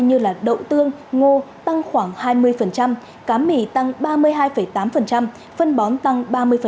như đậu tương ngô tăng khoảng hai mươi cá mì tăng ba mươi hai tám phân bón tăng ba mươi